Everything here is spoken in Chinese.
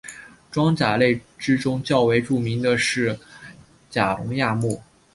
装甲类之中较为著名的是甲龙亚目。